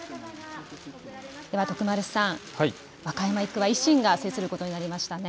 徳丸さん、和歌山１区は維新が制することになりましたね。